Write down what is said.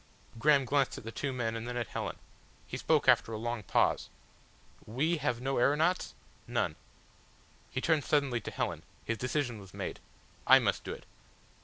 Graham glanced at the two men and then at Helen. He spoke after a long pause. "We have no aeronauts?" "None." He turned suddenly to Helen. His decision was made. "I must do it."